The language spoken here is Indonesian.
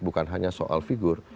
bukan hanya soal figur